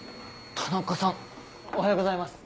田中さんおはようございます。